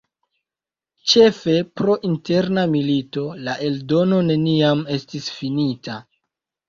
Ĉefe pro la Interna milito, la eldono neniam estis finita.